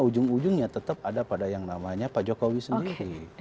ujung ujungnya tetap ada pada yang namanya pak jokowi sendiri